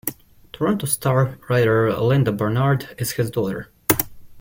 "Toronto Star" writer Linda Barnard is his daughter.